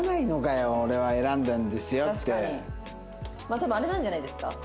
多分あれなんじゃないですか？